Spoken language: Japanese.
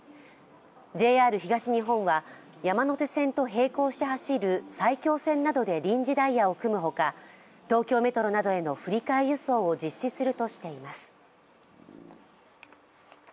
ＪＲ東日本は、山手線の並行して走る埼京線などで臨時ダイヤを組むほか東京メトロなどへの振り替え輸送を実施するとしています。